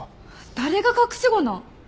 誰が隠し子なん！？